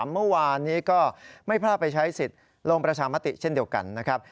เมื่อวานนี้ก็ไม่พลาดไปใช้สิทธิ์ลงประชามติเช่นเดียวกันนะครับ